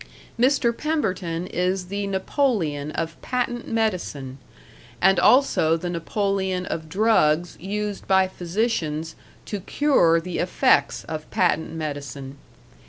Mr. Pemberton is the Napoleon of patent medicine, and also the Napoleon of drugs used by physicians to cure the effects of patent medicine.